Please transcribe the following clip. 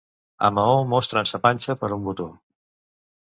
A Maó mostren sa panxa per un botó.